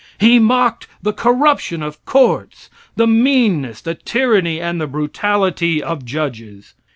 He mocked the corruption of courts; the meanness, the tyranny, and the brutality of judges.